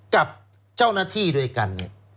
กับเจ้าหน้าที่ด้วยกัน